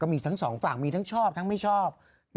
มีทั้งสองฝั่งมีทั้งชอบทั้งไม่ชอบ